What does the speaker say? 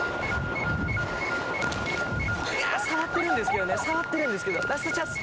触ってるんですけどね触ってるんですけどラストチャンス！